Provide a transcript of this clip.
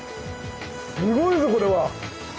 すごいぞこれは！